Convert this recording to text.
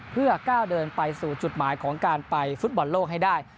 เพื่อก้าวเดินไปสู่จุดหมายของการไปฟุตบอลโลกให้ได้